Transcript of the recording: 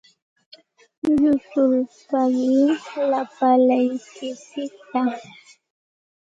Yusulpaaqi lapalaykitsikta.